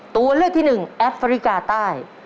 ตัวเลือกที่หนึ่งแอฟริกาใต้